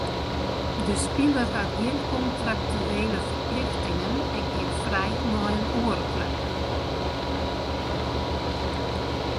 De spiler hat gjin kontraktuele ferplichtingen en kin frij nei in oare klup.